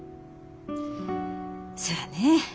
そやね。